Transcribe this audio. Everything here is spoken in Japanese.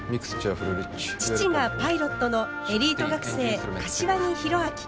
父がパイロットのエリート学生柏木弘明。